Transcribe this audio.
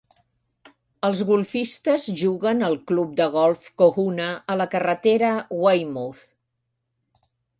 Els golfistes juguen al Club de Golf Cohuna a la carretera Weymouth.